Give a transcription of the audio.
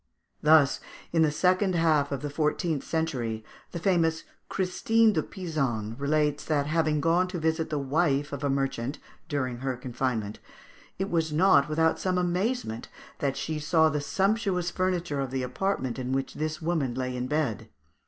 Thus, in the second half of the fourteenth century, the famous Christine de Pisan relates that, having gone to visit the wife of a merchant during her confinement, it was not without some amazement that she saw the sumptuous furniture of the apartment in which this woman lay in bed (Fig.